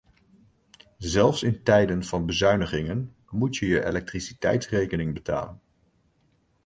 Zelfs in tijden van bezuinigingen moet je je elektriciteitsrekening betalen.